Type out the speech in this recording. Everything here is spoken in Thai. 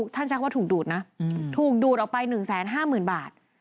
ท่านชักว่าถูกดูดนะถูกดูดออกไป๑๕๐๐๐๐๐บาท